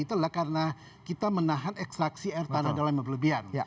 itulah karena kita menahan ekstraksi air tanah dalam yang berlebihan